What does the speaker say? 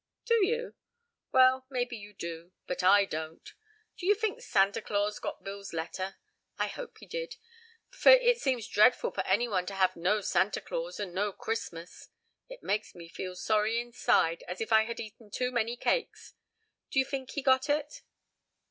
"Do you? Well, maybe you do, but I don't. Do you fink Santa Claus got Bill's letter? I hope he did, for it seems dreadful for anyone to have no Santa Claus and no Christmas; it makes me feel sorry inside, as if I had eaten too many cakes. Do you fink he got it?"